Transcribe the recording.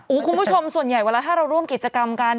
คุณผู้ชมส่วนใหญ่เวลาถ้าเราร่วมกิจกรรมกัน